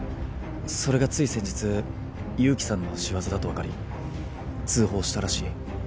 それがつい先日勇気さんの仕業だとわかり通報したらしい。